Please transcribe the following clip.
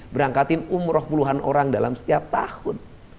berangkatin umroh puluhan orang dalam setiap tahun